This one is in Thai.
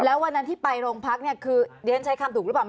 แล้ววันนั้นที่ไปโรงพักเนี่ยคือเรียนใช้คำถูกหรือเปล่า